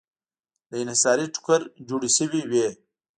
له انحصاري ټوکر جوړې شوې وې.